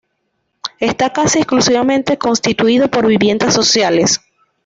Está casi exclusivamente constituido por viviendas sociales.